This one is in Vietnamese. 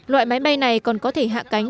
loại máy bay này còn có thể hạ cánh